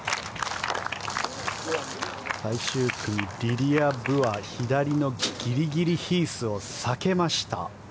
最終組、リリア・ブは左のギリギリヒースを避けました。